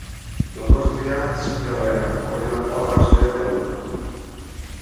Donostian zen karrera, horrelako arrazoiak daude.